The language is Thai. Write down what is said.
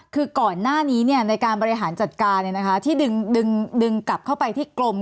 คือก่อนหน้านี้ในการบริหารจัดการที่ดึงกลับเข้าไปที่กรม